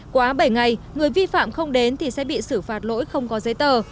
quá bảy ngày người vi phạm không đến thì sẽ bị xử phạt lỗi không có giấy tờ